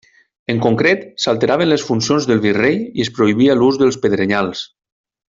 En concret s'alteraven les funcions del virrei i es prohibia l'ús dels pedrenyals.